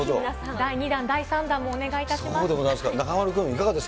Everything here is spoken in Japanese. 第２弾、第３弾もお願いいたします。